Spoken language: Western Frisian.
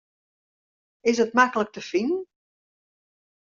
Is it maklik te finen?